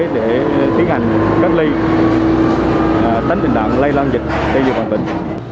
để tiến hành cách ly tánh tình đoạn lây lan dịch tây dựng vào tỉnh